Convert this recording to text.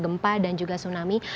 gempah dan juga tsunami